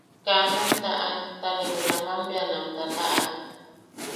Kaa nam taʼan ta ne junaman bea nam tataʼak.